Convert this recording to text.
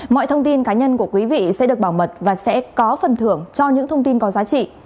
mọi thông tin cá nhân của quý vị sẽ được bảo mật và sẽ có phần thưởng cho những thông tin có giá trị